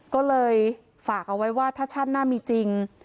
ก็เลยฝากเอาไว้ว่าถ้าชาติหน้ามีจริง